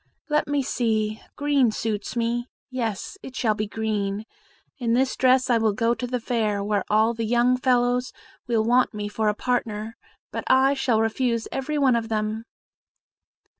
Let me see green suits me; yes, it shall be green. In this dress I will go to the fair, where all the young fellows will want me for a partner, but I shall refuse every one of them."